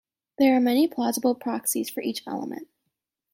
There are many plausible proxies for each element.